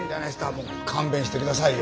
もう勘弁して下さいよ。